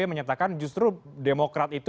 menyatakan justru demokrat itu